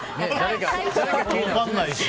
分からないし。